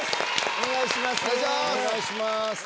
お願いします！